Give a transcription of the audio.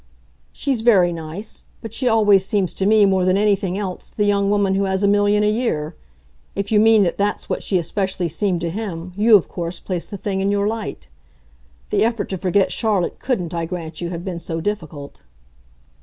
"She's very nice; but she always seems to me, more than anything else, the young woman who has a million a year. If you mean that that's what she especially seemed to him, you of course place the thing in your light. The effort to forget Charlotte couldn't, I grant you, have been so difficult."